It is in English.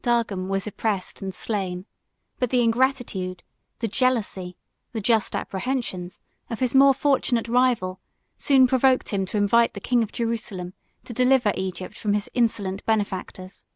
Dargham was oppressed and slain; but the ingratitude, the jealousy, the just apprehensions, of his more fortunate rival, soon provoked him to invite the king of Jerusalem to deliver Egypt from his insolent benefactors.